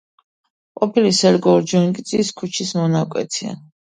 ყოფილი სერგო ორჯონიკიძის ქუჩის მონაკვეთი.